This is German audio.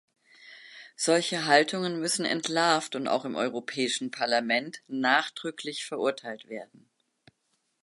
Solche Haltungen müssen entlarvt und auch im Europäischen Parlament nachdrücklich verurteilt werden.